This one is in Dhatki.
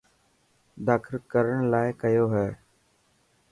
داخل ڪرڻ لاءِ ڪيو هي.